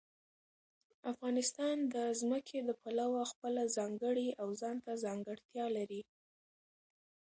افغانستان د ځمکه د پلوه خپله ځانګړې او ځانته ځانګړتیا لري.